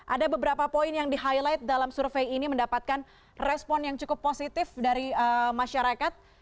ada beberapa poin yang di highlight dalam survei ini mendapatkan respon yang cukup positif dari masyarakat